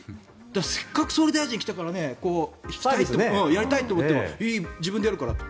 せっかく総理大臣が来たから敷きたい、やりたいと思っても自分でやるからと。